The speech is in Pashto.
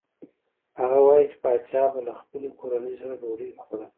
هغه وايي چې پاچا به له خپلې کورنۍ سره ډوډۍ خوړه.